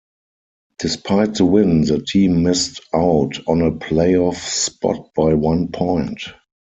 Despite the win the team missed out on a playoff spot by one point.